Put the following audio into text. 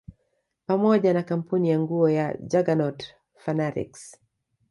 Pamoja na kampuni ya nguo ya Juggernaut fanatics